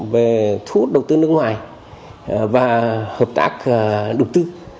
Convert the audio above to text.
về thu hút đầu tư nước ngoài và hợp tác đầu tư